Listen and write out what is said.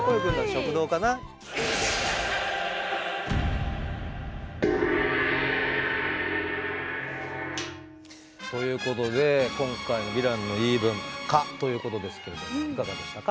食堂かな？ということで今回の「ヴィランの言い分」「蚊」ということですけれどもいかがでしたか？